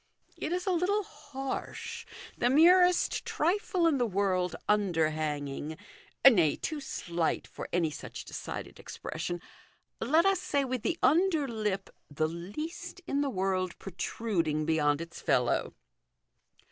It is a little harsh, the merest trifle in the world under hanging nay, too slight for any such decided expression ; let us say with the under lip the least in the world protruding beyond its fellow 18 294 THE GOLDEN RULE.